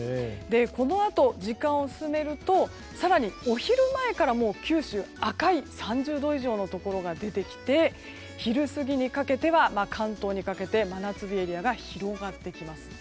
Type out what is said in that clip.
このあと、時間を進めると更にお昼前から九州、赤い３０度以上のところが出てきて、昼過ぎにかけては関東にかけて真夏日エリアが広がってきます。